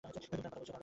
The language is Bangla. তুমি তার কথা বলছো?